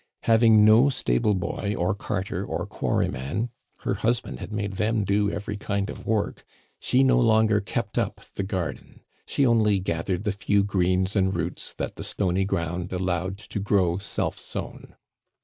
Having no stableboy or carter or quarryman her husband had made them do every kind of work she no longer kept up the garden; she only gathered the few greens and roots that the stony ground allowed to grow self sown.